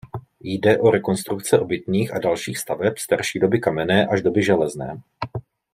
Jde o rekonstrukce obytných a dalších staveb starší doby kamenné až doby železné.